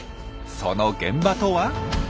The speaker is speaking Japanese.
その現場とは。